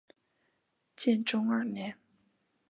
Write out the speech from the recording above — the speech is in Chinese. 建中二年。